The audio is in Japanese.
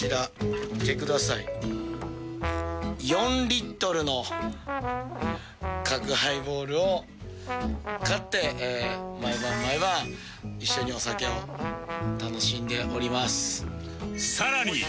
４リットルの角ハイボールを買って毎晩毎晩一緒にお酒を楽しんでおります。